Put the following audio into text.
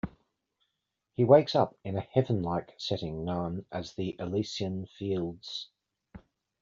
He wakes up in a heaven-like setting known as the Elysian Fields.